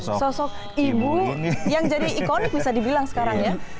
sosok ibu yang jadi ikonik bisa dibilang sekarang ya